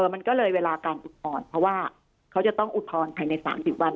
มันก็เลยเวลาการอุทธรณ์เพราะว่าเขาจะต้องอุทธรณ์ภายใน๓๐วัน